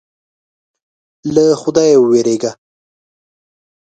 له خدایه وېرېږه.